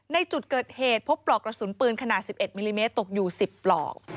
ในจุดเกิดเหตุพบปลอกกระสุนปืนขนาด๑๑มิลลิเมตรตกอยู่๑๐ปลอก